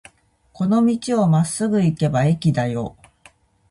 この道をまっすぐ行けば駅だよ。